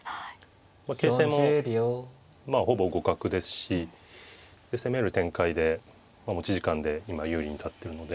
形勢もほぼ互角ですし攻める展開で持ち時間で今優位に立ってるので。